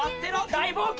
大冒険！